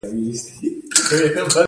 مرکه دې د انسانیت انځور وي.